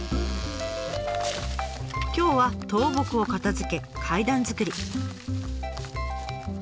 今日は倒木を片づけ階段作り。